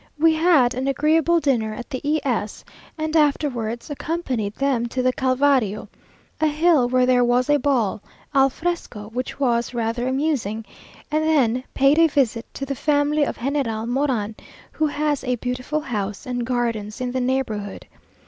We had an agreeable dinner at the E s, and afterwards accompanied them to the Calvario, a hill where there was a ball al fresco, which was rather amusing, and then paid a visit to the family of General Moran, who has a beautiful house and gardens in the neighbourhood.